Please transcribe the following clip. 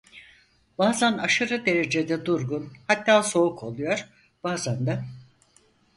Bazan aşırı derecede durgun, hatta soğuk oluyor, bazan da.